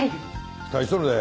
期待しとるで。